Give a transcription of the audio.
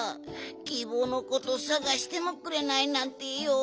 キー坊のことさがしてもくれないなんてよう。